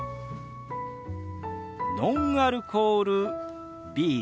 「ノンアルコールビール」。